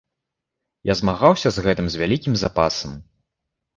Я змагаўся з гэтым з вялікім запасам.